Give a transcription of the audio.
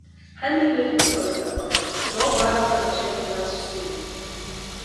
ha niile kwekọrịtàkwàrà na ọ bụ arụ na-achọ ime n'asụsụ Igbo